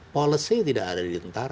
policy tidak ada di tentara